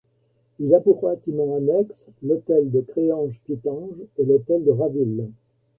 Il a pour bâtiments annexes l'Hôtel de Créhange-Pittange et l'Hôtel de Raville.